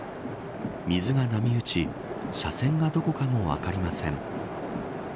水が波打ち車線がどこかも分かりません。